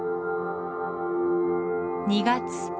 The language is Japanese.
２月。